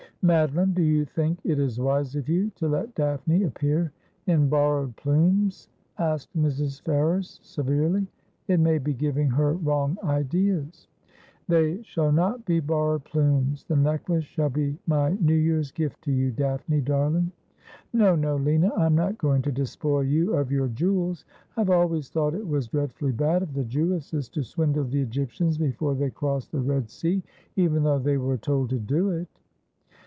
' Madoline, do you think it is wise of you to let Daphne appear in borrowed plumes?' asked Mrs. Ferrers severely. 'It may be giving her wrong ideas.' ' They shall not be borrowed plumes. The necklace shall be my New Year's gift to you. Daphne, darling.' ' No, no, Lina. I am not going to despoil you of your jewels. I have always thought it was dreadfully bad of the Jewesses to swindle the Egyptians before they crossed the Red Sea, even though they were told to do it.'